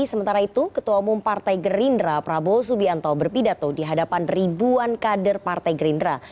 sementara itu ketua umum partai gerindra prabowo subianto berpidato di hadapan ribuan kader partai gerindra